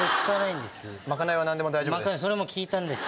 賄いは何でも大丈夫です。